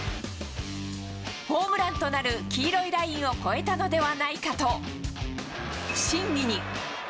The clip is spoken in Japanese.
ホームランとなる黄色いラインを越えたのではないかと、審議に。